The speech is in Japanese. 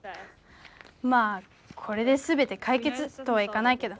まあこれですべてかいけつとはいかないけど。